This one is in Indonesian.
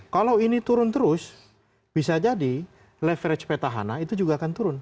kalau ini turun terus bisa jadi leverage petahana itu juga akan turun